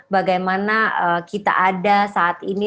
bagaimana kita ada saat ini